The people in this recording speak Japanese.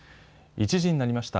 １時になりました。